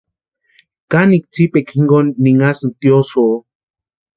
Kanekwa tsipekwa jinkoni ninhasïnti tiosïo.